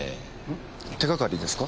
手がかりですか？